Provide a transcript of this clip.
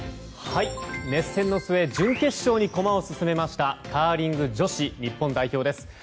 熱戦の末準決勝にコマを進めましたカーリング女子日本代表です。